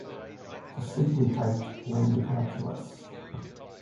The simply typed lambda calculus